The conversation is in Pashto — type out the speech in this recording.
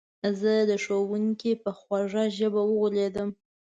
زه د ښوونکي په خوږه ژبه وغولېدم